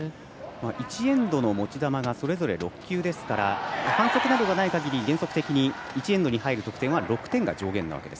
１エンドの持ち球がそれぞれ６球なので反則などがない限り、原則的に１エンドに入る得点は６点が上限なわけです。